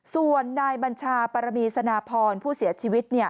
ส่วนนายบัญชาปรมีสนาพรผู้เสียชีวิต